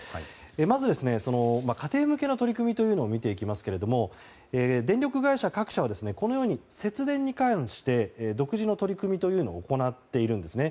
まず、家庭向けの取り組みを見ていきますけど電力会社各社はこのように節電に関して独自の取り組みというのを行っているんですね。